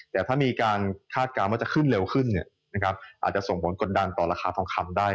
แต่ถ้ามีการคาดการณ์ว่าจะขึ้นเร็วขึ้นอาจจะส่งผลกดดันต่อราคาทองคำได้